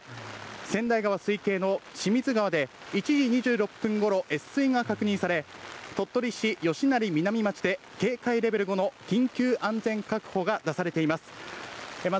せんだい川水系の清水川で、１時２６分ごろ、越水が確認され鳥取市吉成南町で警戒レベル５の緊急安全確保が出されています。